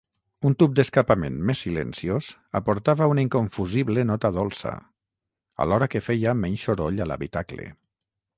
Un tub d'escapament més silenciós aportava una inconfusible nota dolça alhora que feia menys soroll a l'habitacle.